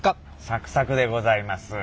サクサクでございます。